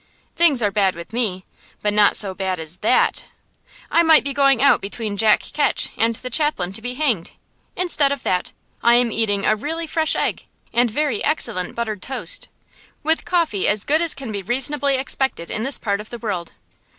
Things are bad with me, but not so bad as THAT. I might be going out between Jack Ketch and the Chaplain to be hanged; instead of that, I am eating a really fresh egg, and very excellent buttered toast, with coffee as good as can be reasonably expected in this part of the world.